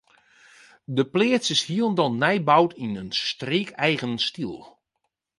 De pleats is hielendal nij boud yn in streekeigen styl.